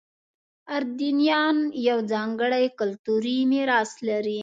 اردنیان یو ځانګړی کلتوري میراث لري.